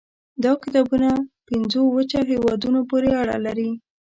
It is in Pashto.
دا کتابونه پنځو وچه هېوادونو پورې اړوند وو.